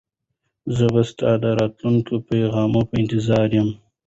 زه به ستا د راتلونکي پیغام په انتظار یم.